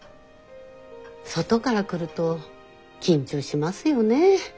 外から来ると緊張しますよね